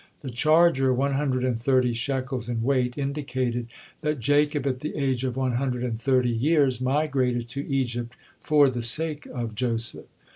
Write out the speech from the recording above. The charger, one hundred and thirty shekels in weight, indicated that Jacob at the age of one hundred and thirty years migrated to Egypt for the sake of Joseph.